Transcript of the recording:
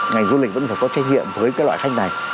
ngành du lịch vẫn phải có trách nhiệm với cái loại khách này